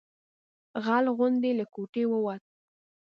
غل غوندې له کوټې ووت.